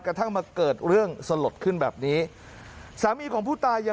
กระทั่งมาเกิดเรื่องสลดขึ้นแบบนี้สามีของผู้ตายัง